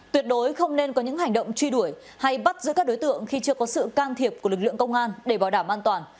tuyệt đối không nên có những hành động truy đuổi hay bắt giữ các đối tượng khi chưa có sự can thiệp của lực lượng công an để bảo đảm an toàn